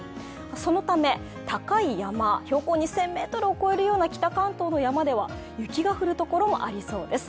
そのため、高い山、標高２０００ｍを超えるような北関東の山では雪が降るところもありそうです。